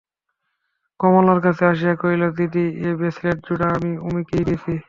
কমলা কাছে আসিয়া কহিল, দিদি, এ ব্রেসলেট-জোড়া আমি উমিকেই দিয়াছি।